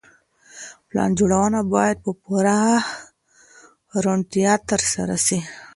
پلان جوړونه بايد په پوره روڼتيا ترسره سي.